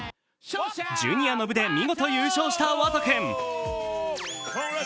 ジュニアの部で見事優勝した湧都君。